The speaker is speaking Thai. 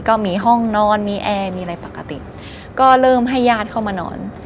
ก็มีห้องนอนมีแอร์มีอะไรปกติก็เริ่มให้ญาติเข้ามานอน